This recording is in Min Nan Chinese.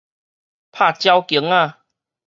拍鳥弓仔